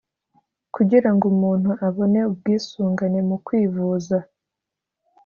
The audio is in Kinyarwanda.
kugira ngo umuntu abone ubwisungane mu ukwivuza,